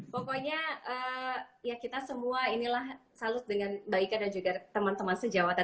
pokoknya ya kita semua inilah salut dengan mbak ika dan juga teman teman sejawatan